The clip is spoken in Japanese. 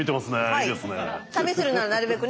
いいですね。